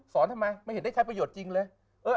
ทำไมไม่เห็นได้ใช้ประโยชน์จริงเลย